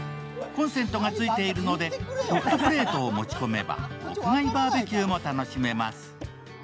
コンセントがついているので、ホットプレートを持ち込めば屋外バーベキューも楽しめます。